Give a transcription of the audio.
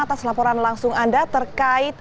atas laporan langsung anda terkait